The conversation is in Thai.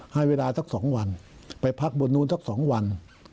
ให้เวลาสัก๒วันไปพักบนนู้นสัก๒วัน